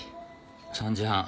３時半。